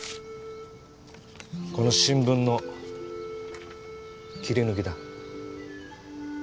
この新聞の切り抜きだ。